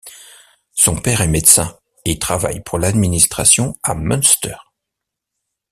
Son père est médecin et travaille pour l’administration à Münster.